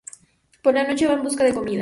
Por la noche va en busca de comida.